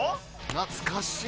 懐かしい。